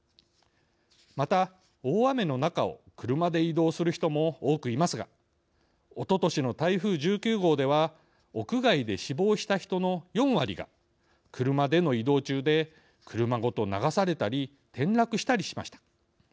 また、大雨の中を車で移動する人も多くいますがおととしの台風１９号では屋外で死亡した人の４割が車での移動中で車ごと流されたり転落したりしました。